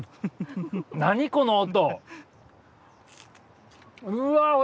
何この音？